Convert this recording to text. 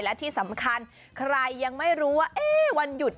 และที่สำคัญใครยังไม่รู้ว่าวันหยุด